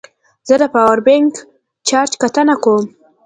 زه د پاور بانک چارج کتنه کوم.